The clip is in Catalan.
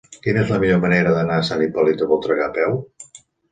Quina és la millor manera d'anar a Sant Hipòlit de Voltregà a peu?